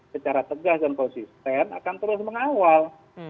secara tegas dan konsisten akan terus mengawal